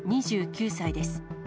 ２９歳です。